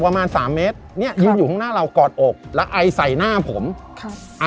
ประมาณสามเมตรเนี้ยยืนอยู่ข้างหน้าเรากอดอกแล้วไอใส่หน้าผมครับอ่า